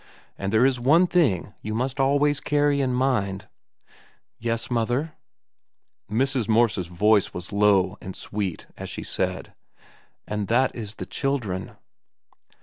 And there is one thing you must always carry in mind—" "Yes, mother." Mrs. Morse's voice was low and sweet as she said, "And that is the children."